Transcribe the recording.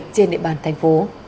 trên địa bàn tp